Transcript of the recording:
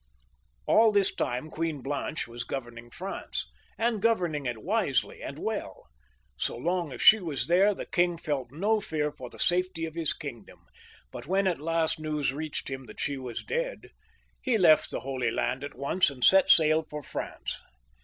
All this time Queen Blanche was governing France, and governing it wisely and well. So long as she was there, the king felt no fear for the safety of his kingdom, but when at last news reached him that she was dead, he left the Holy Land at once and set sail for France.